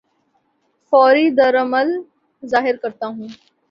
فوری رد عمل ظاہر کرتا ہوں